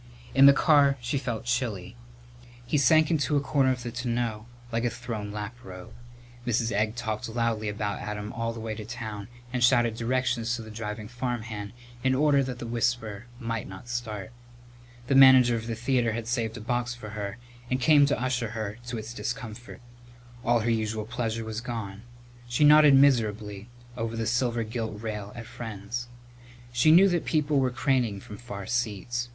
In the car she felt chilly. He sank into a corner of the tonneau like a thrown laprobe. Mrs. Egg talked loudly about Adam all the way to town and shouted directions to the driving farmhand in order that the whisper might not start. The manager of the theatre had saved a box for her and came to usher her to its discomfort. But all her usual pleasure was gone. She nodded miserably over the silver gilt rail at friends. She knew that people were craning from far seats.